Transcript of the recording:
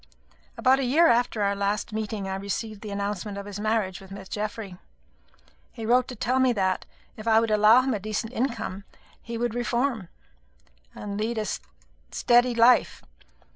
About a year after our last meeting, I received the announcement of his marriage with Miss Geoffry. He wrote to tell me that, if I would allow him a decent income, he would reform and lead a steady life.